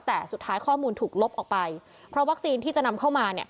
แต่สุดท้ายข้อมูลถูกลบออกไปเพราะวัคซีนที่จะนำเข้ามาเนี่ย